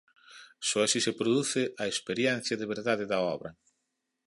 Só así se produce a experiencia de verdade da obra.